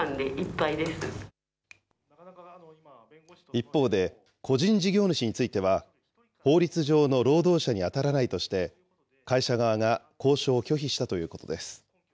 一方で、個人事業主については、法律上の労働者にあたらないとして、会社側が交渉を拒否したということです。